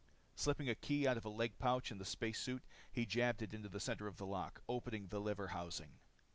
Slipping a key out of a leg pouch on the space suit, he jabbed it into the center of the lock, opening the lever housing.